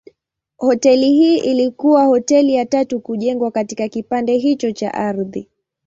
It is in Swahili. Hoteli hii ilikuwa hoteli ya tatu kujengwa katika kipande hicho cha ardhi.